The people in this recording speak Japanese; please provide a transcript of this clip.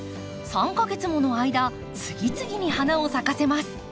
３か月もの間次々に花を咲かせます。